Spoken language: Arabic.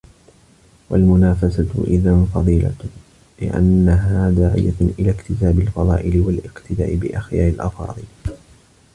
فَالْمُنَافَسَةُ إذًا فَضِيلَةٌ ؛ لِأَنَّهَا دَاعِيَةٌ إلَى اكْتِسَابِ الْفَضَائِلِ وَالِاقْتِدَاءِ بِأَخْيَارِ الْأَفَاضِلِ